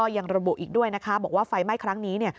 ยังระบุอีกด้วยนะคะบอกว่าไฟไหม้ครั้งนี้